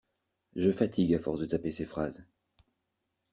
Je fatigue à force de taper ces phrases.